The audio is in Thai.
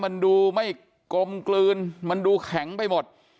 มันดูไม่กลมกลืนมันดูแข็งไปหมด